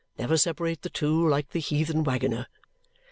Never separate the two, like the heathen waggoner.